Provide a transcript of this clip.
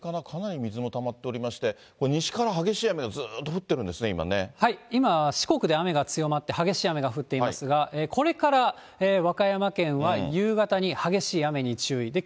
かなり水もたまっておりまして、西から激しい雨がずっと降ってるんですね、今は四国で雨が強まって、激しい雨が降っていますが、これから和歌山県は夕方に激しい雨に注意。